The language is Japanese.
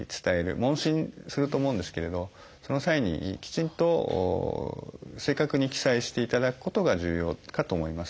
問診すると思うんですけれどその際にきちんと正確に記載していただくことが重要かと思います。